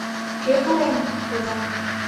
«Кӧ кырен?» — йодам.